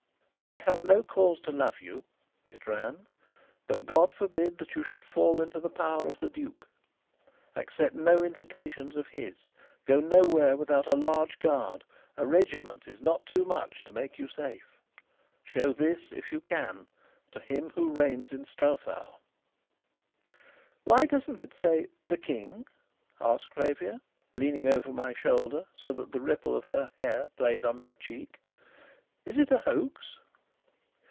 "I have no cause to love you," it ran, "but God forbid that you should fall into the power of the duke. Accept no invitations of his. Go nowhere without a large guard a regiment is not too much to make you safe. Show this, if you can, to him who reigns in Strelsau." "Why doesn't it say 'the King'?" asked Flavia, leaning over my shoulder, so that the ripple of her hair played on my cheek. "Is it a hoax?"